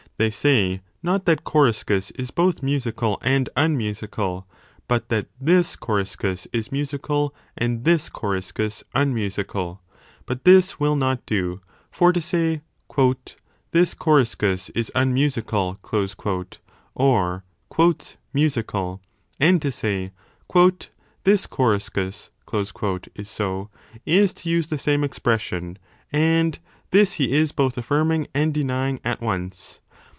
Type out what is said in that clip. They say, not that Coriscus is both musical and unmusical, but that this Coriscus is musical 20 and this Coriscus unmusical. But this will not do, for to say this Coriscus * is unmusical , or musical , 2 and to say this Coriscus is so, is to use the same expression : and this he is both affirming and denying at once.